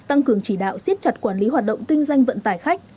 tăng cường chỉ đạo siết chặt quản lý hoạt động kinh doanh vận tải khách